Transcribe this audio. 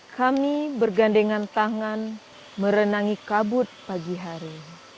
kami bergandengan tangan merenangi kabut pagi hari